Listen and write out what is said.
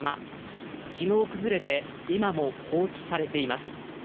昨日崩れて、今も放置されています。